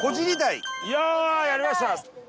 やりました。